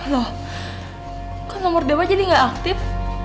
loh kok nomor dewa jadi nggak aktif